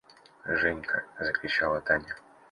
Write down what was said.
– Женька! – закричала Таня.